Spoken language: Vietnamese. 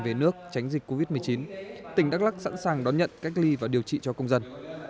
về nước tránh dịch covid một mươi chín tỉnh đắk lắc sẵn sàng đón nhận cách ly và điều trị cho công dân